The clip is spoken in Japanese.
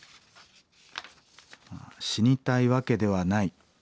「死にたいわけではない。